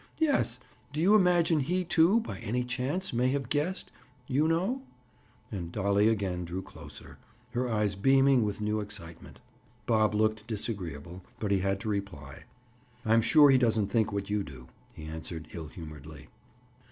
"Yes; do you imagine he, too, by any chance, may have guessed—you know?" And Dolly again drew closer, her eyes beaming with new excitement. Bob looked disagreeable, but he had to reply. "I'm sure he doesn't think what you do," he answered ill humoredly.